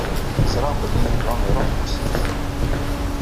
Ẓriɣ belli Yuba iruḥ deg-sent.